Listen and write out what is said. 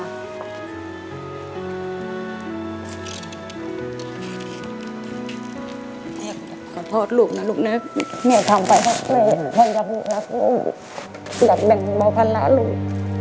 แม่ขอโทษลูกนะลูกนะเมียทำไปเฮ่ยมันรักลูกรักแบ่งเบาพันล้านลูก